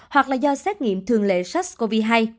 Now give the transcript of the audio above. hoặc là do xét nghiệm thường lệ sars cov hai